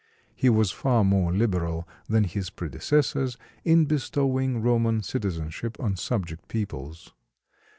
He was far more liberal than his predecessors in bestowing Roman citizenship on subject peoples.